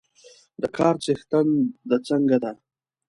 د کار څښتن د څنګه ده؟